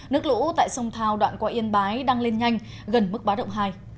nước lũ tại sông thao đoạn qua yên bái đang lên nhanh gần mức bá động hai